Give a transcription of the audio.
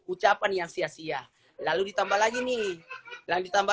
ucapan yang sia sia lalu ditambah